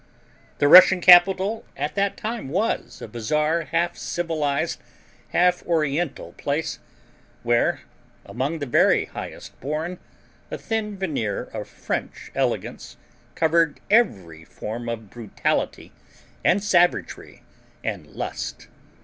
The Russian capital, at that time, was a bizarre, half civilized, half oriental place, where, among the very highest born, a thin veneer of French elegance covered every form of brutality and savagery and lust.